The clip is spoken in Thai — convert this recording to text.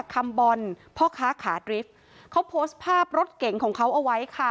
คำบอลพ่อค้าขาดริฟท์เขาโพสต์ภาพรถเก๋งของเขาเอาไว้ค่ะ